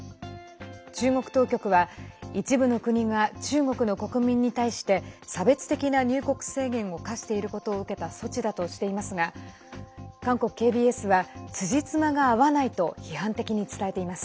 中国当局は、一部の国が中国の国民に対して差別的な入国制限を課していることを受けた措置だとしていますが韓国ＫＢＳはつじつまが合わないと批判的に伝えています。